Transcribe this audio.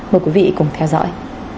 mời quý vị cùng theo dõi